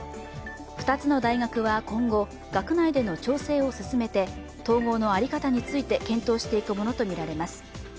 ２つの大学は今後、学内での調整を進めて統合のあり方について検討していくものとみられます。